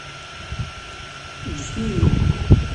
Ǧǧet-iyi.